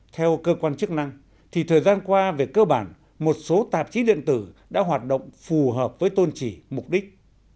theo cơ quan chức năng thì thời gian qua về cơ bản một số tạp chí điện tử đã hoạt động phù hợp với tôn trì mục đích